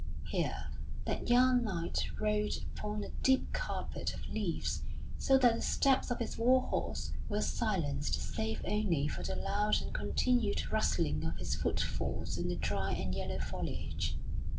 Here that young knight rode upon a deep carpet of leaves, so that the steps of his war horse were silenced save only for the loud and continued rustling of his footfalls in the dry and yellow foliage.